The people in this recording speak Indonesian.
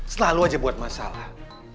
selalu aja buat masalah